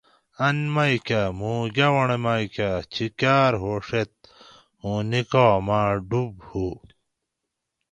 ان می کہ موں گاونڑ می کہۤ چیکاۤر ہوڛیت اوں نِکا مہ ڈوب ہو